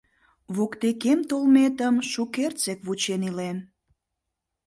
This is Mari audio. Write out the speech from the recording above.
Воктекем толметым шукертсек вучен илем.